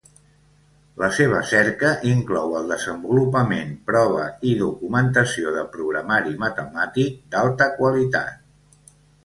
La seva cerca inclou el desenvolupament, prova i documentació de programari matemàtic d'alta qualitat.